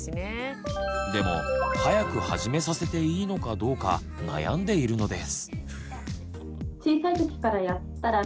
でも早く始めさせていいのかどうか悩んでいるのです。